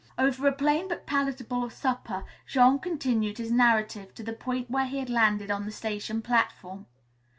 Over a plain but palatable supper Jean continued his narrative to the point where he had landed on the station platform.